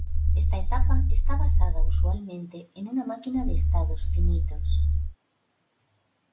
Esta etapa está basada usualmente en una máquina de estados finitos.